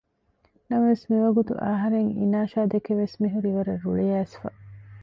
ނަމަވެސް މިވަގުތު އަހަރެން އިނާޝާދެކެ ވެސް މިހުރީ ވަރަށް ރުޅިއައިސްފަ